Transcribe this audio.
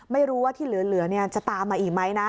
ไม่รู้ว่าที่เหลือจะตามมาอีกไหมนะ